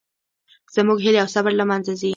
زموږ هیلې او صبر له منځه ځي